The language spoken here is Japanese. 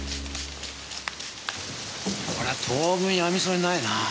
これは当分やみそうにないなぁ。